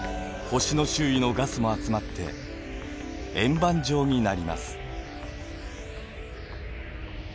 星の周囲のガスも集まって円盤状になります。